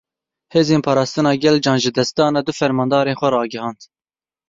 Hêzên Parastina Gel canjidestdana du fermandarên xwe ragihand.